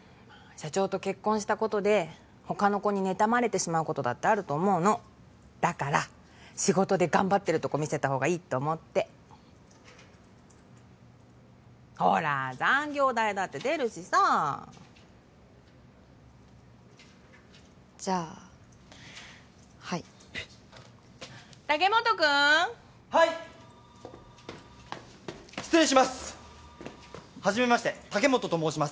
社長と結婚したことで他の子に妬まれてしまうことだってあると思うのだから仕事で頑張ってるとこ見せたほうがいいと思ってほら残業代だって出るしさじゃあはい竹本くんはい失礼しますはじめまして竹本と申します